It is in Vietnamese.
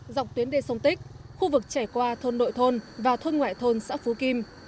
dọc tuyến đê sông tích khu vực chảy qua thôn nội thôn và thôn ngoại thôn xã phú kim